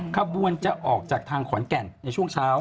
ขบวนจะออกจากทางขอนแก่นในช่วงเช้า